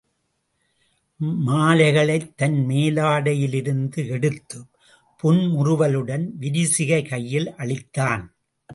மாலைகளைத் தன் மேலாடையிலிருந்து எடுத்துப் புன்முறுவலுடன் விரிசிகை கையில் அளித்தான்.